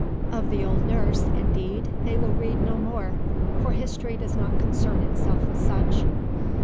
Of the old nurse, indeed, they will read no more, for history does not concern itself with such.